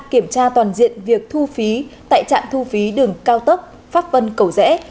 kiểm tra toàn diện việc thu phí tại trạm thu phí đường cao tốc pháp vân cầu rẽ